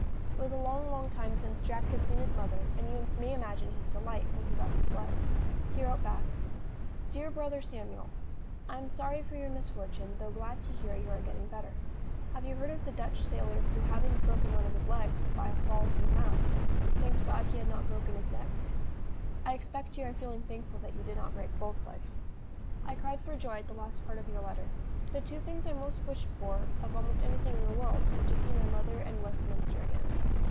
It was a long, long time since Jack had seen his mother, and you may imagine his delight when he got this letter. He wrote back: "DEAR BROTHER SAMUEL, "I am sorry for your misfortune, though glad to hear you are getting better. Have you heard of the Dutch sailor who having broken one of his legs by a fall from the mast, thanked God that he had not broken his neck? I expect you are feeling thankful that you did not break both legs. "I cried for joy at the last part of your letter. The two things I most wished for of almost anything in the world were to see my mother and Westminster again.